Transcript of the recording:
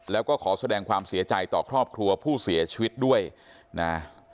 แล้วก็ขอแสดงความเสียใจต่อครอบครัวผู้เสียชีวิตด้วยนะ